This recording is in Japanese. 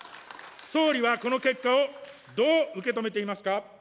総理はこの結果をどう受け止めていますか。